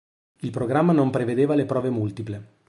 Il programma non prevedeva le prove multiple.